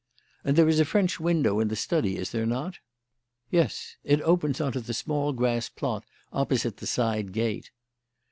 "And there is a French window in the study, is there not?" "Yes; it opens on to the small grass plot opposite the side gate."